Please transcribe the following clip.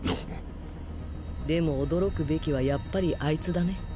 でも驚くべきはやっぱりアイツだね。